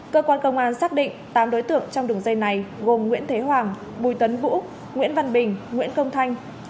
cơ quan công an xác định tám đối tượng trong đường dây này gồm nguyễn thế hoàng bùi tấn vũ nguyễn văn bình nguyễn công thanh